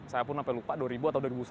saya pun sampai lupa